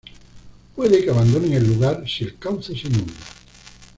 Puede que abandonen el lugar si el cauce se inunda.